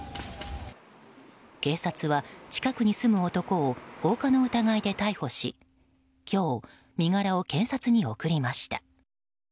警察は近くに住む男を放火の疑いで逮捕し今日、身柄を検察に送りました。